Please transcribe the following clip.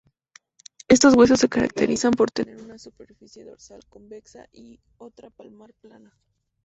Estos huesos se caracterizan por tener una superficie dorsal convexa y otra palmar plana.